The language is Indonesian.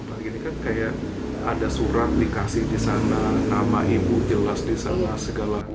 apalagi ini kan kayak ada surat dikasih di sana nama ibu jelas di sana segala